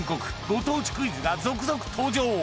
ご当地クイズが続々登場。